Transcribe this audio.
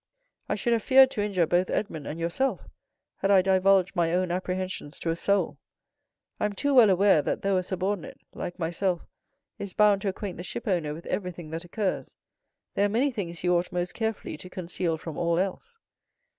I should have feared to injure both Edmond and yourself, had I divulged my own apprehensions to a soul. I am too well aware that though a subordinate, like myself, is bound to acquaint the shipowner with everything that occurs, there are many things he ought most carefully to conceal from all else."